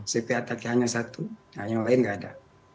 cv ataki hanya satu yang lain tidak ada